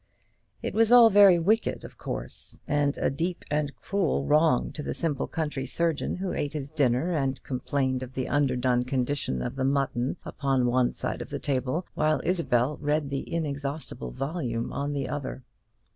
It was all very wicked of course, and a deep and cruel wrong to the simple country surgeon, who ate his dinner, and complained of the underdone condition of the mutton, upon one side of the table, while Isabel read the inexhaustible volume on the other.